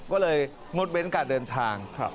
ก็เลยงดเว้นการเดินทาง